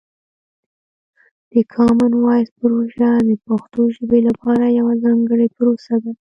د کامن وایس پروژه د پښتو ژبې لپاره یوه ځانګړې پروسه ده.